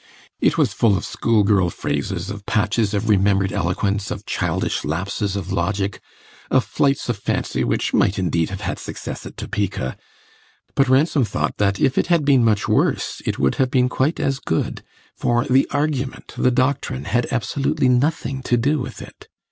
It was full of school girl phrases, of patches of remembered eloquence, of childish lapses of logic, of flights of fancy which might indeed have had success at Topeka; but Ransom thought that if it had been much worse it would have been quite as good, for the argument, the doctrine, had absolutely nothing to do with it.